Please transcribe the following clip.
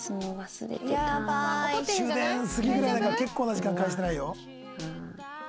終電過ぎぐらいだから結構な時間返してないよ。